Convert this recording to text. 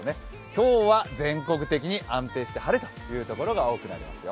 今日は全国的に安定して晴れという所が多くなってきますよ。